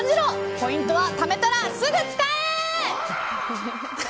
ポイントは、ためたらすぐ使え。